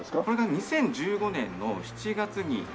これが２０１５年の７月に。